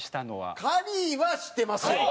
カリーは知ってますよ。